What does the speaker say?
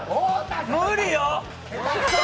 無理よ！